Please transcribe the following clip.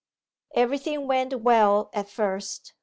Everything went well at first.